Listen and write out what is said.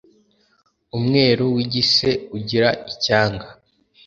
umweru w'igi se ugira icyanga